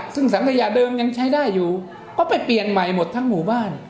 ซึ่งสังขยะเดิมยังใช้ได้อยู่ก็ไปเปลี่ยนใหม่หมดทั้งหมู่บ้าน